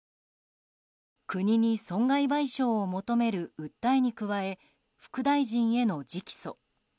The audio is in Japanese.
国に損害賠償を求める訴えに加え副大臣への直訴。